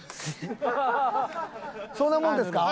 そんなもんですか？